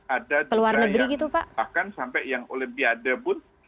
ada juga yang bahkan sampai yang olimpiade pun